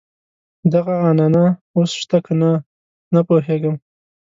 دغه عنعنه اوس شته کنه نه پوهېږم.